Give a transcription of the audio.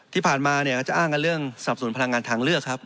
ที่ผ่านมาเนี่ยจะอ้างกันเรื่องสับสนพลังงานทางเลือกครับ